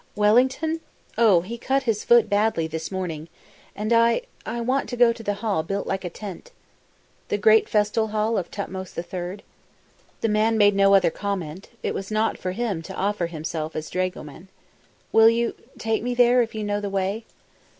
"Wellington? Oh, he cut his foot badly this morning. And I I want to go to the hall built like a tent." "The great Festal Hall of Totmes III?" The man made no other comment; it was not for him to offer himself as dragoman. "Will you take me there, if you know the way?"